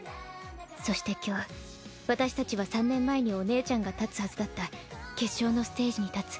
そして今日私たちは３年前にお姉ちゃんが立つはずだった決勝のステージに立つ。